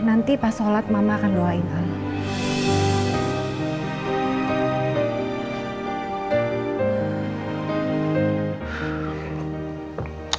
nanti pas sholat mama akan doain allah